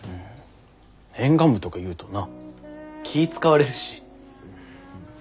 沿岸部とか言うとな気ぃ遣われるし。